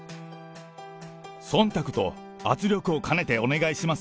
そんたくと圧力を兼ねてお願いします。